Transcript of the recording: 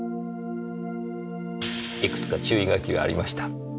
いくつか注意書きがありました。